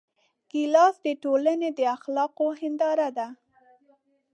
ګیلاس د ټولنې د اخلاقو هنداره ده.